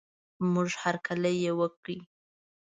موږ هر کلی یې وکړ.